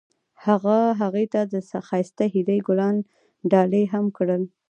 هغه هغې ته د ښایسته هیلې ګلان ډالۍ هم کړل.